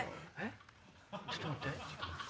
⁉ちょっと待って。